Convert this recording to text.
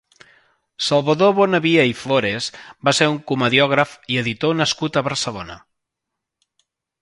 Salvador Bonavia i Flores va ser un comediògraf i editor nascut a Barcelona.